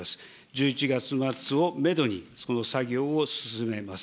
１１月末をメドに、その作業を進めます。